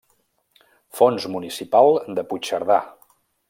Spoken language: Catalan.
Fons Municipal de Puigcerdà.